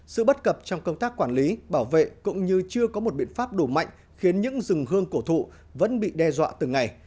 sự bất cập trong công tác quản lý bảo vệ cũng như chưa có một biện pháp đủ mạnh khiến những rừng gương cổ thụ vẫn bị đe dọa từng ngày